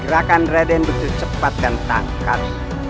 gerakan raden butuh cepat dan tangkat